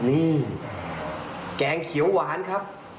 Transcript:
นี่แกงเขียวหวานครับ